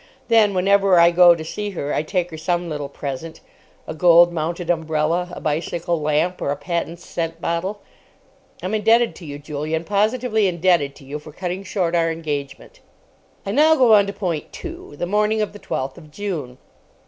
Then, whenever I go to see her I take her some little present—a gold mounted umbrella, a bicycle lamp, or a patent scent bottle. I'm indebted to you, Julian, positively indebted to you for cutting short our engagement." I now go on to point two: the morning of the twelfth of June.